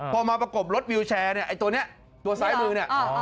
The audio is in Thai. พอมาประกบรถวิวแชร์เนี่ยไอ้ตัวนี้ตัวซ้ายมือเนี่ย